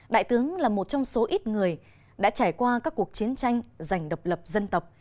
đại tướng là một trong số ít người đã trải qua các cuộc chiến tranh giành độc lập dân tộc